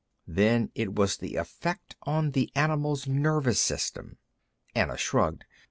"Then it was the effect on the animal's nervous system." Anna shrugged.